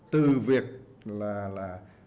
từ việc là